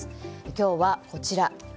今日はこちら。